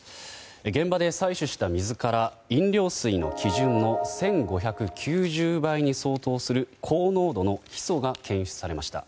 現場で採取した水から飲料水の基準の１５９０倍に相当する高濃度のヒ素が検出されました。